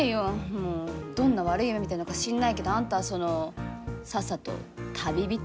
もうどんな悪い夢見てんのか知んないけどあんたはそのさっさと旅人？